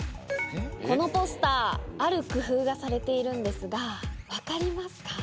このポスターある工夫がされているんですが分かりますか？